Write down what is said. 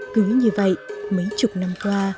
cứ như vậy mấy chục năm qua